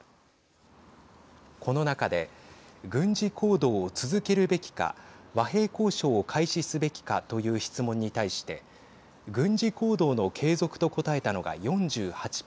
この中で軍事行動を続けるべきか和平交渉を開始すべきかという質問に対して軍事行動の継続と答えたのが４８％